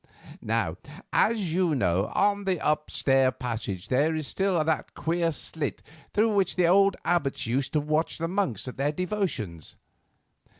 "Now, as you know, on the upstair passage there still is that queer slit through which the old abbots used to watch the monks at their devotions.